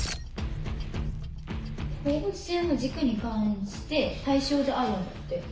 放物線の軸に関して対称であるんだって。